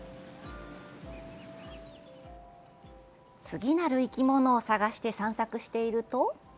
次なる生き物を探して散策していると。